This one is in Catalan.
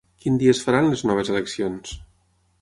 Quin dia es faran les noves eleccions?